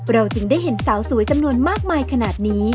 เราจึงได้เห็นสาวสวยจำนวนมากมายขนาดนี้